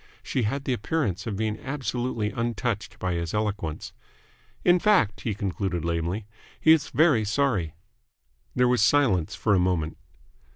She had the appearance of being absolutely untouched by his eloquence. "In fact," he concluded lamely, "he is very sorry." There was silence for a moment.